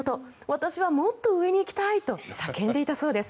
私はもっと上に行きたい！と叫んでいたそうです。